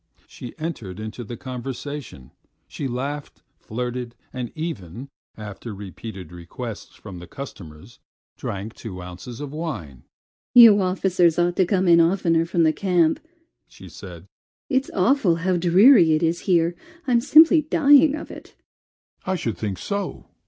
She entered into the conversation, she laughed, flirted, and even, after repeated requests from the customers, drank two ounces of wine. "You officers ought to come in oftener from the camp," she said; "it's awful how dreary it is here. I'm simply dying of it." "I should think so!"